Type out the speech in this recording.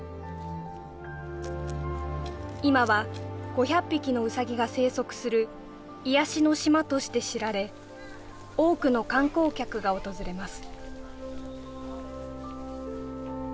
今は５００匹のウサギが生息する癒やしの島として知られ多くの観光客が訪れます